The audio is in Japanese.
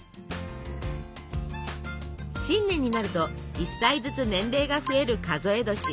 新年になると１歳ずつ年齢が増える数え年。